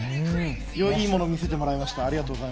よりいいものを見せてもらいました。